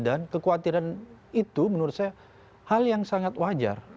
dan kekhawatiran itu menurut saya hal yang sangat wajar